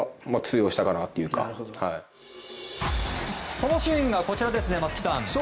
そのシーンがこちらですね松木さん。